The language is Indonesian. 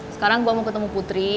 sekarang gue mau ketemu putri